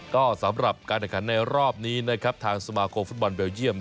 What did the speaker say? ก็สำหรับการแข่งขันในรอบนี้นะครับทางสมาคมฟุตบอลเบลเยี่ยม